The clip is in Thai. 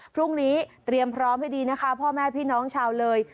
พรุ่งนี้เตรียมพร้อมให้ดีนะคะพ่อแม่พี่น้องชาวเลย